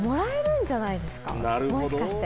もしかして。